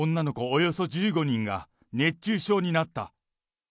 およそ１５人が熱中症になった。